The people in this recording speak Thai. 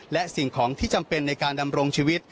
และสิ่งของที่จำเป็นในการดำรงชีวิต